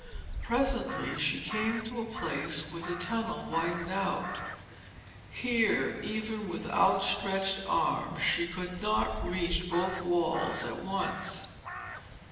Presently, she came to a place where the tunnel widened out. Here, even with outstretched arms, she could not reach both walls at once.